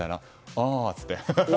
ああって言って。